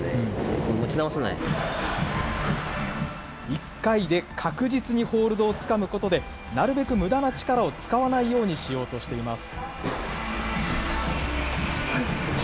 １回で確実にホールドをつかむことで、なるべくむだな力を使わないようにしようとしています。